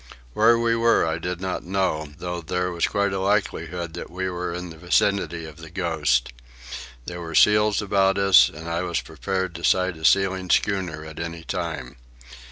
Where we were I did not know, though there was quite a likelihood that we were in the vicinity of the Ghost. There were seals about us, and I was prepared to sight a sealing schooner at any time.